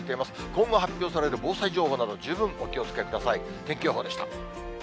今後発表される防災情報など、十分お気をつけください。